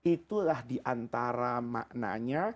itulah diantara maknanya